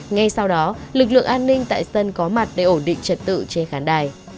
ngay sau đó lực lượng an ninh tại sân có mặt để ổn định trật tự trên khán đài